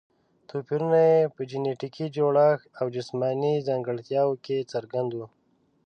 توپیرونه یې په جینټیکي جوړښت او جسماني ځانګړتیاوو کې څرګند وو.